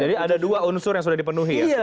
ada dua unsur yang sudah dipenuhi ya